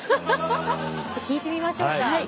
はいちょっと聞いてみましょうか。